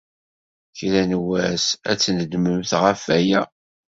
Kra n wass, ad tnedmemt ɣef waya.